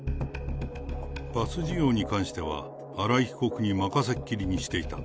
バス事業に関しては、荒井被告に任せっきりにしていた。